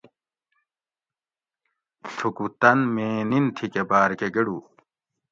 تھوکو تن میں نِن تھی کہ باۤرکہۤ گڑو